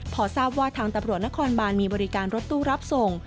พอทราบว่าทางตำรวจนครบานมีบริการรถตู้รับส่ง